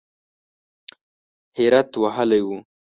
حیرت وهلی و .